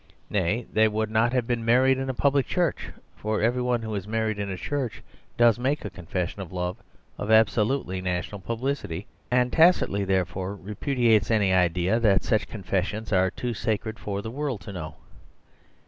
Nay, they would not have been married in a public church, for every one who is married in a church does make a confession of love of absolutely national publicity, and tacitly, therefore, repudiates any idea that such confessions are too sacred for the world to know.